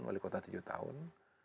wali kota tujuh tahun